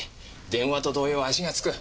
電話と同様足がつく。